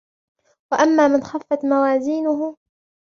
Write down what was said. وَأَمَّا مَنْ خَفَّتْ مَوَازِينُهُ